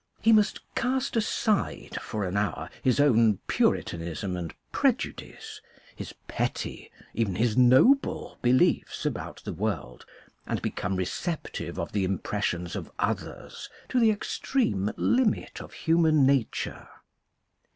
He must cast aside for an hour his own puritanism and prejudice, his petty, even his noble beliefs about the world, and become re ceptive of the impressions of others to the extreme limit of human nature.